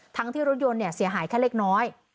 ทั้งที่รถยนต์เสียหายแค่เล็กน้อย